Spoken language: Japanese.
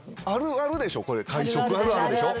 会食あるあるでしょ？